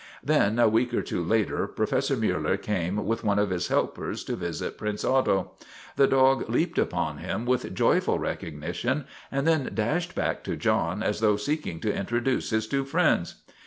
Then, a week or two later, Professor Miiller came with one of his helpers to visit Prince Otto. The dog leaped upon him with joyful recognition and then dashed back to John as though seeking to intro duce his two friends.